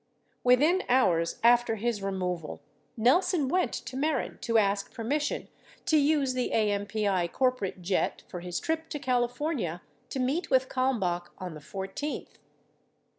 Within hours after his removal, Nelson went to Mehren to ask permission to use the AMPI corporate jet for his trip to California to meet with Kalmbach on the 14th.